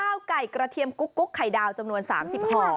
ไก่กระเทียมกุ๊กไข่ดาวจำนวน๓๐ห่อ